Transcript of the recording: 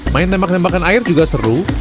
main tembak tembakan air juga seru